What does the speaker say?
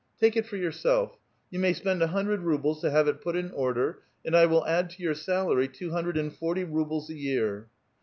" Take it for yourself. You may spend a hundred rubles to have it put in order, and 1 will add to your salary two hundred and forty rubles a year."